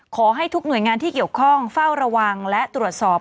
ขอให้ทุกหน่วยงานที่เกี่ยวข้องเฝ้าระวังและตรวจสอบ